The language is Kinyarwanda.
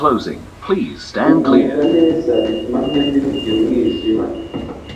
kugubwa neza. Bituma mwembi mugira umwijima